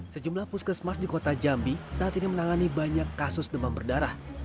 sejumlah puskesmas di kota jambi saat ini menangani banyak kasus demam berdarah